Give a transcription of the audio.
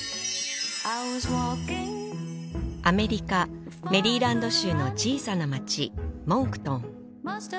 アメリカメリーランド州の小さな町モンクトン